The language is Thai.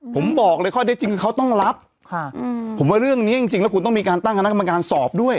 ผมบอกเลยข้อได้จริงเขาต้องรับค่ะอืมผมว่าเรื่องนี้จริงจริงแล้วคุณต้องมีการตั้งคณะกรรมการสอบด้วย